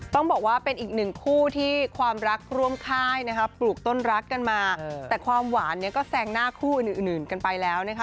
ต้องบอกว่าเป็นอีกหนึ่งคู่ที่ความรักร่วมค่ายนะคะปลูกต้นรักกันมาแต่ความหวานเนี่ยก็แซงหน้าคู่อื่นอื่นกันไปแล้วนะคะ